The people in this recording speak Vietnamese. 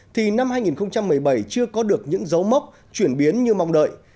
thì năm hai nghìn một mươi bảy chưa có được những dấu mốc chuyển biến như mong đợi